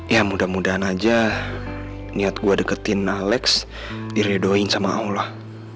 ya mudah mudahan aja niat gue deketin alex diridoin sama allah